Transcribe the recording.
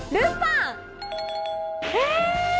え！